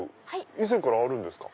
以前からあるんですか？